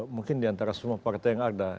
mungkin diantara semua partai yang ada